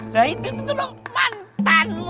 nah itu tuh loh mantanmu